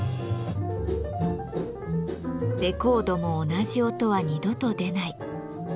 レコードも同じ音は２度と出ない。